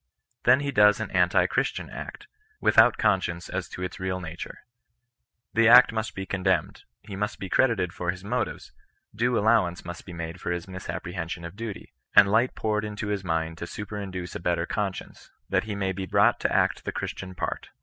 *' Then he does an antirchristian act, without conscience as to its real na ture. The act must be condemned ; he must be credited for his motives ; due allowance must be made for his misapprehension of duty ; and light poured into his mind to superinduce a better conscience, that he maybe brought to act the Christian part.